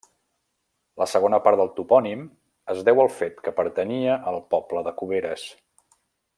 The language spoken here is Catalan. La segona part del topònim es deu al fet que pertanyia al poble de Cuberes.